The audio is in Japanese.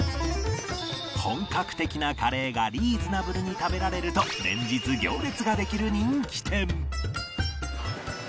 本格的なカレーがリーズナブルに食べられると連日行列ができる人気店